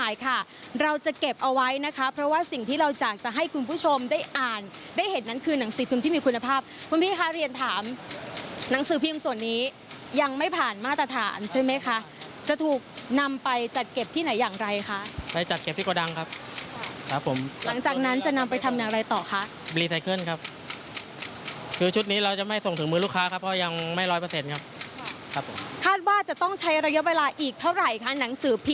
อยากจะให้คุณผู้ชมได้อ่านได้เห็นนั้นคือหนังสือพิมพ์ที่มีคุณภาพคุณพิมพ์ค่ะเรียนถามหนังสือพิมพ์ส่วนนี้ยังไม่ผ่านมาตรฐานใช่ไหมคะจะถูกนำไปจัดเก็บที่ไหนอย่างไรคะไปจัดเก็บที่กระดังครับครับผมหลังจากนั้นจะนำไปทำอะไรต่อคะบรีไซเคิลครับคือชุดนี้เราจะไม่ส่งถึงมือลูกค้าครับก็ยังไม่ร้อยเปอร์